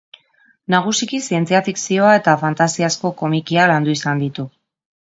Nagusiki zientzia-fikzioa eta fantasiazko komikiak landu izan ditu.